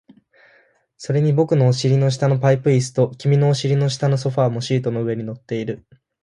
それに僕のお尻の下のパイプ椅子と、君のお尻の下のソファーもシートの上に乗っている